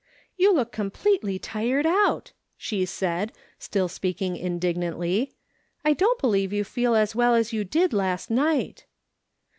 " You look completely tired out," she said, still speaking indignantly ;" I don't believe you feel as well as you did last night."